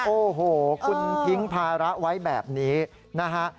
โอ้โหคุณทิ้งภาระไว้แบบนี้นะฮะ